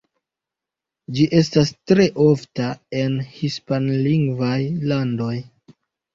Ĝi estas tre ofta en hispanlingvaj landoj.